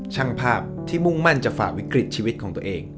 ช่างภาพที่มุ่งมั่นจะฝ่าวิกฤตชีวิตของตัวเอง